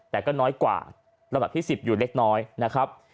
แต่ก็น้อยกว่าระดับที่๑๐อยู่เล็กน้อยนะครับ